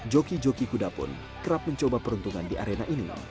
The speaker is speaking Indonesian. joki joki kuda pun kerap mencoba peruntungan di arena ini